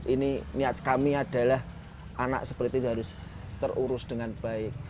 ini niat kami adalah anak seperti itu harus terurus dengan baik